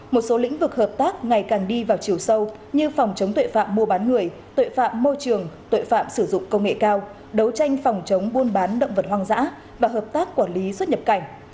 một số lĩnh vực hợp tác ngày càng đi vào chiều sâu như phòng chống tội phạm mua bán người tội phạm môi trường tội phạm sử dụng công nghệ cao đấu tranh phòng chống buôn bán động vật hoang dã và hợp tác quản lý xuất nhập cảnh